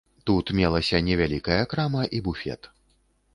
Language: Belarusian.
Тут мелася невялікая крама і буфет.